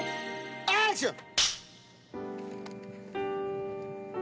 アクション！